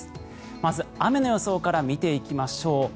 まず、雨の予想から見ていきましょう。